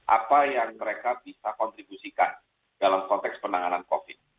apa yang mereka bisa kontribusikan dalam konteks penanganan covid